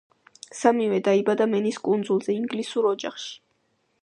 სამივე დაიბადა მენის კუნძულზე, ინგლისურ ოჯახში.